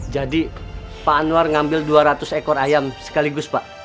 jadi pak anwar ngambil dua ratus ekor ayam sekaligus pak